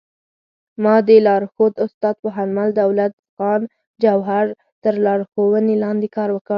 ما د لارښود استاد پوهنمل دولت خان جوهر تر لارښوونې لاندې کار وکړ